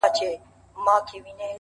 که قتل غواړي، نه یې غواړمه په مخه یې ښه،